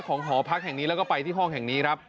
หอพักแห่งนี้แล้วก็ไปที่ห้องแห่งนี้ครับ